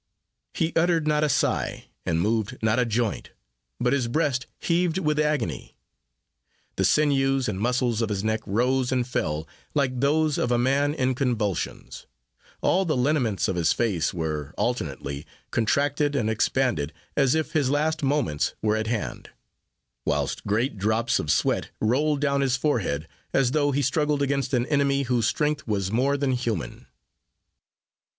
He uttered not a sigh, and moved not a joint, but his breast heaved with agony; the sinews and muscles of his neck rose and fell, like those of a man in convulsions; all the lineaments of his face were, alternately, contracted and expanded, as if his last moments were at hand; whilst great drops of sweat rolled down his forehead, as though he struggled against an enemy whose strength was more than human.